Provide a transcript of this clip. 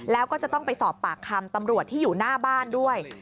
แล้วก็จะต้องไปสอบปากคำตำรวจที่อยู่หน้าบ้านด้วย